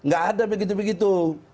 gak ada begitu begitu